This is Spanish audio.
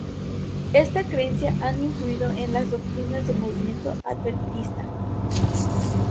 Esta creencia han influido en las doctrinas del movimiento adventista.